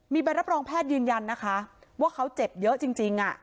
มีแบบรับรองแพทยืนยันนะคะว่าเขาเจ็บเยอะจริงจริงอ่ะ